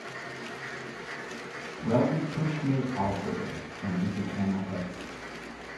Well they pushed me out there - and it became a hit.